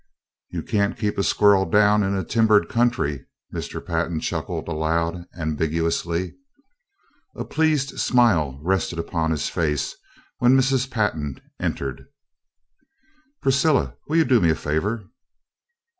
"You can't keep a squirrel down in a timbered country," Mr. Pantin chuckled aloud, ambiguously. A pleased smile still rested upon his face when Mrs. Pantin entered. "Priscilla, will you do me a favor?"